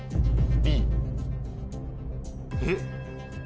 えっ？